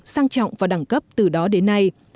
sang trọng và đẳng cấp từ đó đến nay